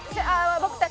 僕たち。